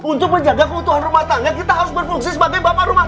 untuk menjaga keutuhan rumah tangga saya kom